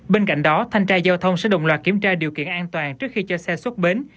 bên cạnh đó thanh tra giao thông sẽ đồng loạt kiểm tra điều kiện an toàn trước khi cho xe xuất bến